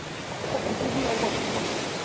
まあここぐらいまでは来ましたね。